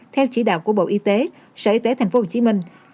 theo chỉ đạo của bộ y tế sở y tế tp hcm